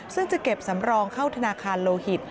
ซึ่งจะเก็บสำรองเข้าธนาคารโลหิต